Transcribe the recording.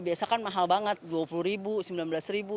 biasa kan mahal banget dua puluh ribu sembilan belas ribu